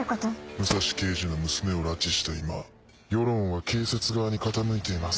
武蔵刑事の娘を拉致した今世論は警察側に傾いています。